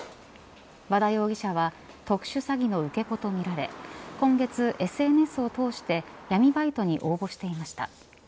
和田容疑者は特殊詐欺の受け子とみられ今月、ＳＮＳをとおして闇バイトに応募していました。